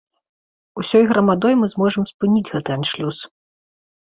Усёй грамадой мы зможам спыніць гэты аншлюс.